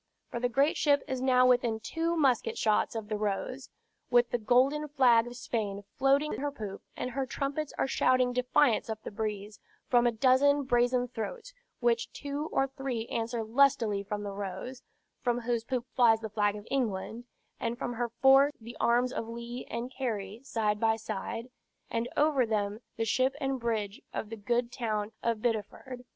For the great ship is now within two musket shots of the Rose, with the golden flag of Spain floating at her poop; and her trumpets are shouting defiance up the breeze, from a dozen brazen throats, which two or three answer lustily from the Rose, from whose poop flies the flag of England, and from her fore the arms of Leigh and Cary side by side, and over them the ship and bridge of the good town of Bideford.